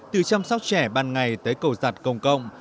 từ chăm sóc trẻ ban ngày tới cầu giặt công cộng